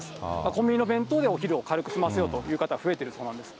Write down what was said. コンビニの弁当で、お昼を軽く済ませようという方、増えてるそうなんです。